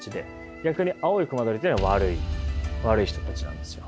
逆に青い隈取というのは悪い悪い人たちなんですよ。